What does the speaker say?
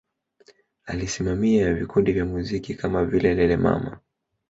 Alisimamia vikundi vya muziki kama vile Lelemama